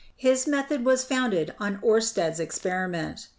His method was founded on Oersted's experiment.